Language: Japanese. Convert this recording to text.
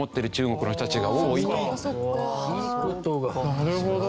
なるほど。